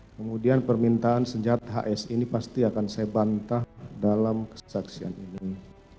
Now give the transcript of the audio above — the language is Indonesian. kemudian permintaan senjata hs ini pasti akan saya bantah dalam kesaksian ini